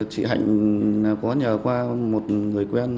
chị hạnh có nhờ qua một người quen